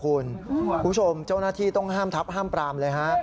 คุณผู้ชมเจ้าหน้าที่ต้องห้ามทับห้ามปรามเลยฮะ